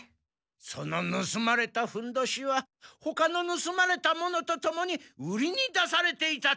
そのぬすまれたふんどしはほかのぬすまれた物とともに売りに出されていたというわけじゃ。